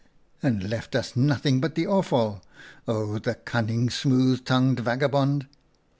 ' And left us nothing but the offal. Oh, the cunning, smooth tongued vagabond